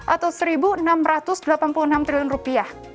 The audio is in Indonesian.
atau seribu enam ratus delapan puluh enam triliun rupiah